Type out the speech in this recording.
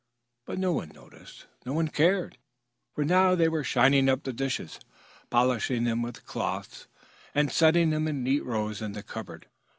But no one noticed. No one cared. For now they were shining up the dishes, polishing them with cloths, and setting them in neat rows in the cupboard.